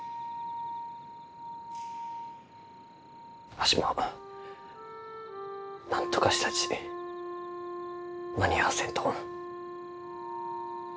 わしもなんとかしたち間に合わせんと。